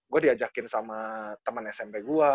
gue diajakin sama teman smp gue